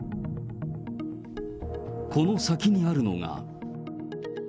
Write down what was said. この先にあるのが。